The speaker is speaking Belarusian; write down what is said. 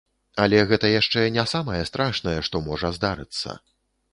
Але гэта яшчэ не самае страшнае, што можа здарыцца.